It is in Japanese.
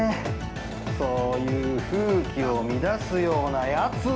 そういう風紀を乱すようなやつは！